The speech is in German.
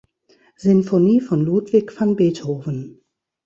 Sinfonie von Ludwig van Beethoven.